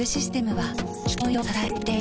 はい。